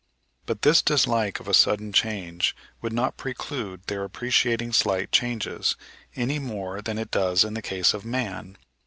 But this dislike of a sudden change would not preclude their appreciating slight changes, any more than it does in the case of man.